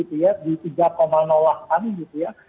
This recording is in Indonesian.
begerak turun gitu ya di tiga an gitu ya